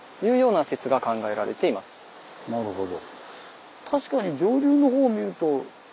なるほど。